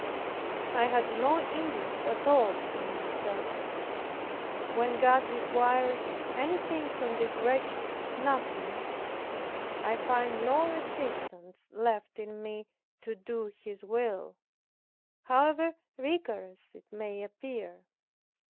I had no interest at all for myself. When God requires anything from this wretched nothing, I find no resistance left in me to do His will, how rigorous soever it may appear.